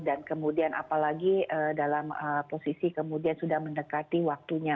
dan kemudian apalagi dalam posisi kemudian sudah mendekati waktunya